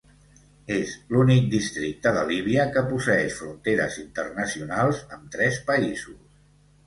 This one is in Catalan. És l'únic districte de Líbia que posseeix fronteres internacionals amb tres països.